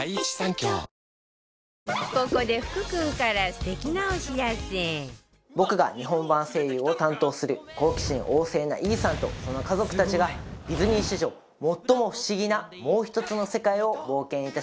ここで僕が日本版声優を担当する好奇心旺盛なイーサンとその家族たちがディズニー史上最も不思議なもうひとつの世界を冒険いたします。